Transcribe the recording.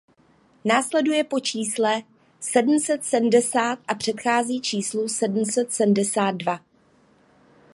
Následuje po čísle sedm set sedmdesát a předchází číslu sedm set sedmdesát dva.